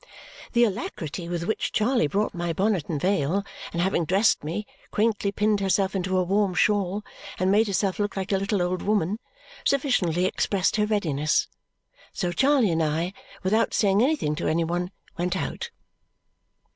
The alacrity with which Charley brought my bonnet and veil, and having dressed me, quaintly pinned herself into her warm shawl and made herself look like a little old woman, sufficiently expressed her readiness. So Charley and I, without saying anything to any one, went out.